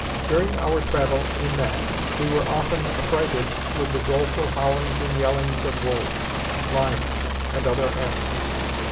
During our travel in that we were often affrighted with the doleful howlings and yellings of wolves, lions, and other animals.